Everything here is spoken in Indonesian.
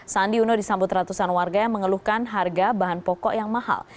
sandi uno disambut ratusan warga yang mengeluhkan harga bahan pokok yang mahal